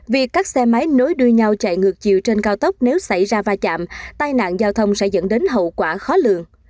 việc các xe máy nối đuôi nhau chạy ngược chiều trên cao tốc nếu xảy ra va chạm tai nạn giao thông sẽ dẫn đến hậu quả khó lượng